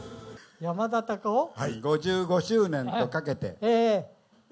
５５周年とかけて。